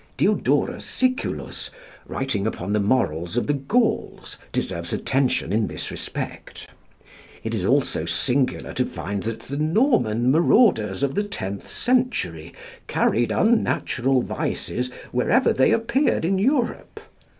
Diodorus Siculus, writing upon the morals of the Gauls, deserves attention in this respect. It is also singular to find that the Norman marauders of the tenth century carried unnatural vices wherever they appeared in Europe.